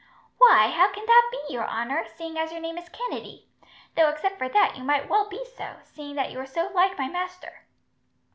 "Why, how can that be, your honour, seeing as your name is Kennedy? Though, except for that, you might well be so, seeing that you are so like my master."